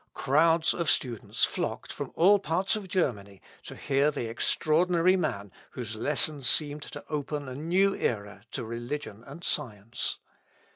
Crowds of students flocked from all parts of Germany to hear the extraordinary man whose lessons seemed to open a new era to religion and science.